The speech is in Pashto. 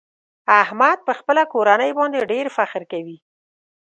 احمد په خپله کورنۍ باندې ډېر فخر کوي.